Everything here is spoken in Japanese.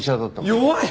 弱い！